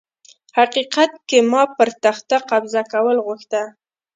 حقيقت کي ما پر تخت قبضه کول غوښته